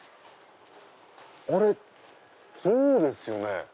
あれ象ですよね。